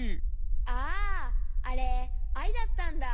あああれアイだったんだ？